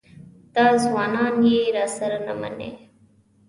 دا ځوانان یې راسره نه مني.